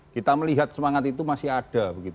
kita melihat semangat itu masih ada